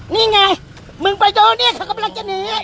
นี่ไงมึงไปโดนเนี่ยเขากำลังจะหนี